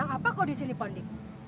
kenapa kau disini ponding